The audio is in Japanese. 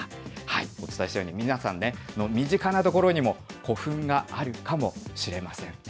お伝えしたように、皆さんね、身近な所にも古墳があるかもしれませんね。